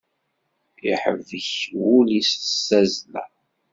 Iḥebbek wul-is s tazla.